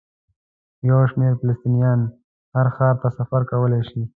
یو شمېر فلسطینیان هر ښار ته سفر کولی شي.